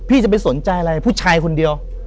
จะไปสนใจอะไรผู้ชายคนเดียว